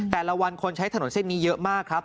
แต่ละวันคนใช้ถนนเส้นนี้เยอะมากครับ